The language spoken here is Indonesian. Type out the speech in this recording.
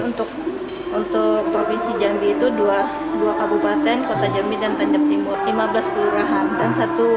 untuk untuk provinsi jambi itu dua kabupaten kota jambi dan tanjap timur lima belas kelurahan dan satu